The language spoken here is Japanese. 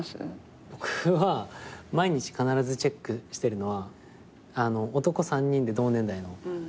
僕は毎日必ずチェックしてるのは男３人で同年代の。